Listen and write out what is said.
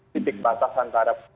titik batas antara